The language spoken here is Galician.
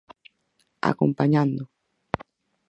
Acompañando.